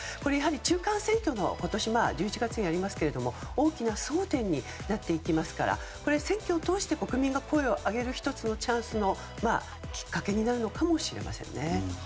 中間選挙が今年の１１月にありますが大きな争点になりますから選挙を通して国民の声を上げるチャンスのきっかけになるのかもしれませんね。